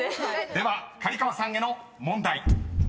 ［では刈川さんへの問題］